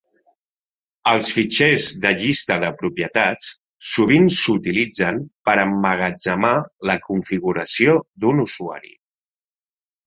Els fitxers de llista de propietats sovint s'utilitzen per emmagatzemar la configuració d'un usuari.